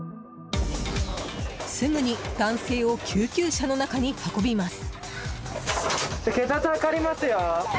すぐに男性を救急車の中に運びます。